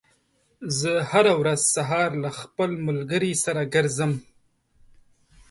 زه هره ورځ سهار له خپل ملګري سره ګرځم.